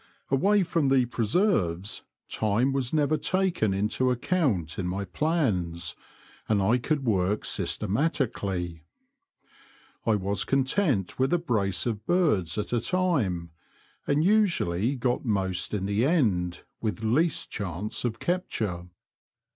Away from the preserves, time was never taken into account in my plans, and I could work systematically. I was content with a brace of birds at a time, and usually got most in the end, with least chance of capture.